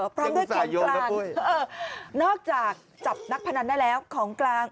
พร้อมด้วยของกลางนอกจากจับนักพนันได้แล้วของกลาง